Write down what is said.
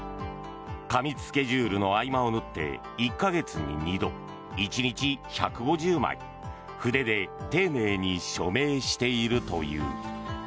過密スケジュールの合間を縫って１か月に２度１日１５０枚筆で丁寧に署名しているという。